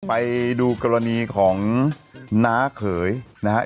ไปดูกรณีของน้าเขยนะครับ